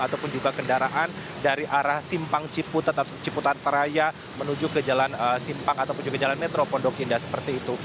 ataupun juga kendaraan dari arah simpang ciputat atau ciputan teraya menuju ke jalan simpang ataupun juga jalan metro pondok indah seperti itu